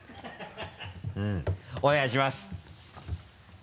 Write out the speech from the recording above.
お願いします。